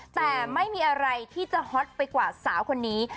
แต่ไม่มีอะไรที่จะฮอตไปกว่าสาวคนนี้